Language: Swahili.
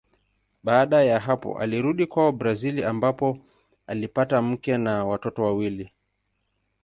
Baada ya hapo alirudi kwao Brazili ambapo alipata mke na watoto wawili.